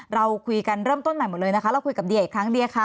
เราคุยกันเริ่มต้นใหม่หมดเลยนะคะเราคุยกับเดียอีกครั้งเดียค่ะ